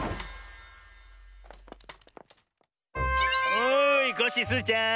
おいコッシースイちゃん